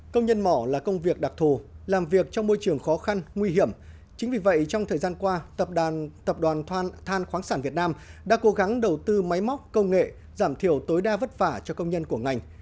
công nhân mỏ là công việc đặc thù làm việc trong môi trường khó khăn nguy hiểm chính vì vậy trong thời gian qua tập đoàn tập đoàn than khoáng sản việt nam đã cố gắng đầu tư máy móc công nghệ giảm thiểu tối đa vất vả cho công nhân của ngành